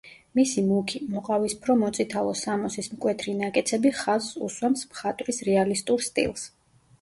მისი მუქი, მოყავისფრო-მოწითალო სამოსის მკვეთრი ნაკეცები ხაზს უსვამს მხატვრის რეალისტურ სტილს.